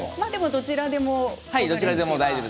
どちらでも。